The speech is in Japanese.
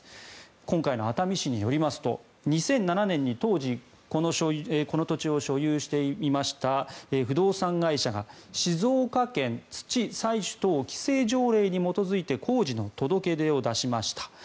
今回の熱海市によりますと２００７年に当時この土地を所有していました不動産会社が静岡県土採取等規制条例に基づいて工事の届け出を出しました。